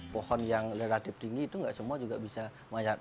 pohon yang relatif tinggi itu nggak semua juga bisa mayat